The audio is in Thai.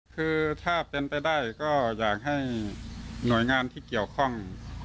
คือถ้าเป็นไปได้ก็อยากให้หน่วยงานที่เกี่ยวข้อง